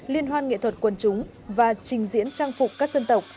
liên hoan nghệ thuật quần chúng và trình diễn trang phục các dân tộc